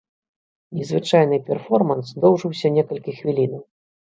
Незвычайны пэрформанс доўжыўся некалькі хвілінаў.